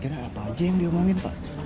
kira kira apa aja yang diomongin pas